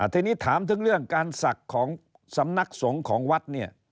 ทีนี้ถามถึงเรื่องการศักดิ์ของสำนักสงฆ์ของวัดเนี่ย